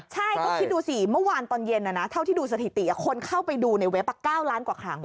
ใช่ก็คิดดูสิเมื่อวานตอนเย็นเท่าที่ดูสถิติคนเข้าไปดูในเว็บ๙ล้านกว่าครั้ง